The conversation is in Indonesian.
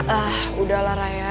ah udahlah raya